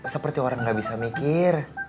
seperti orang gak bisa mikir